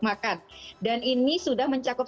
makan dan ini sudah mencakup